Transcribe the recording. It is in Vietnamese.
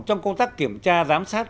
trong công tác kiểm tra giám sát